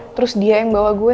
terus dia yang bawa gue